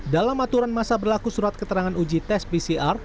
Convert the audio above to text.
dalam aturan masa berlaku surat keterangan uji tes pcr